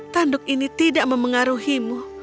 tanduk ini tidak mempengaruhimu